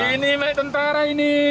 ini ini tentara ini